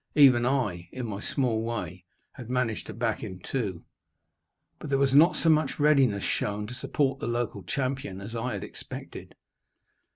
Even I, in my small way, had managed to back him too. But there was not so much readiness shown to support the local champion as I had expected.